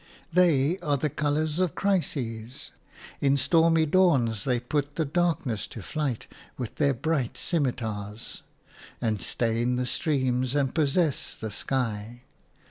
They are the colours of crises; in stormy dawns they put the darkness to flight with their bright scimitars, and stain the streams and possess the sky.